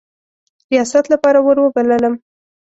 ریاست لپاره وروبللم.